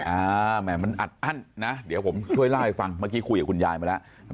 แหม่มันอัดอั้นนะเดี๋ยวผมช่วยเล่าให้ฟังเมื่อกี้คุยกับคุณยายมาแล้ว